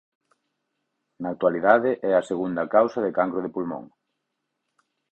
Na actualidade é a segunda causa de cancro de pulmón.